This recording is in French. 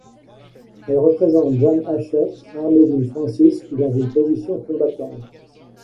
Elle représente Jeanne Hachette armée d'une francisque dans une position combattante.